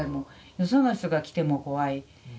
よその人が来ても怖い。